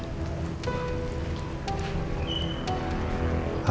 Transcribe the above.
nanti aku mau sekolah